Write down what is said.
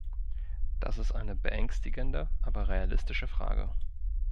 Das ist eine beängstigende, aber realistische Frage.